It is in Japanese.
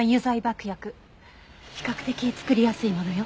比較的作りやすいものよ。